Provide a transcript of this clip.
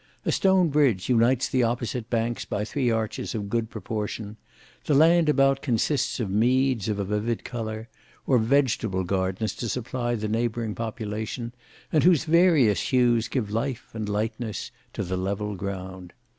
A stone bridge unites the opposite banks by three arches of good proportion; the land about consists of meads of a vivid colour, or vegetable gardens to supply the neighbouring population, and whose various hues give life and lightness to the level ground.